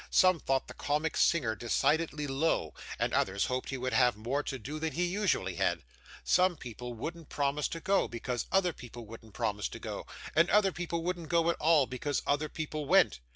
Some thought the comic singer decidedly low, and others hoped he would have more to do than he usually had. Some people wouldn't promise to go, because other people wouldn't promise to go; and other people wouldn't go at all, because other people went.